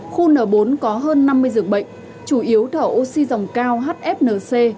khu n bốn có hơn năm mươi giường bệnh chủ yếu thở oxy dòng cao hfnc